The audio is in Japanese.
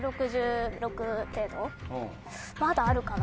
まだあるかな。